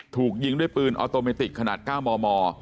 ถูกยิงด้วยปืนออโตเมติกขนาด๙มม